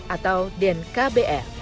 atau kbk atau kbk